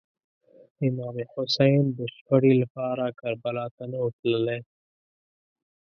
امام حسین د شخړې لپاره کربلا ته نه و تللی.